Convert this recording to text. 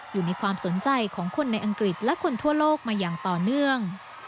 อยู่ในความสนใจของคนในอังกฤษและคนทั่วโลกมาอย่างต่อเนื่อง